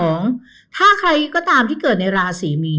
อย่างที่สองถ้าใครก็ตามที่เกิดในราศีมีน